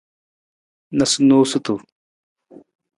Noosunoosutu.